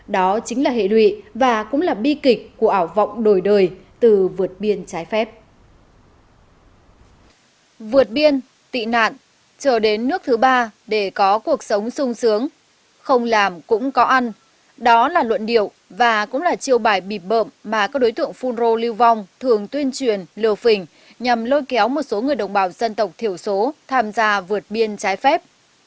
đó chính là hệ lụy và cũng là bi kịch của ảo vọng đổi đời từ vượt biên trái phép